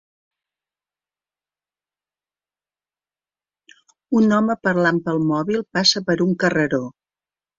Un home parlant pel mòbil passa per un carreró.